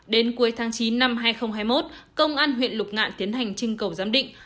đến cuối tháng chín năm hai nghìn hai mươi một công an huyện lục ngạn tiến hành trưng cầu giám định